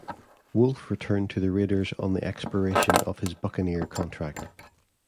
Wolf returned to the Raiders on the expiration of his Buccaneer contract.